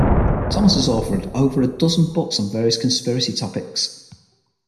Thomas has authored over a dozen books on various conspiracy topics.